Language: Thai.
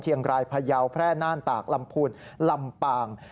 เชียงรายพยาวแพร่น่านตากลำพูนลำปาง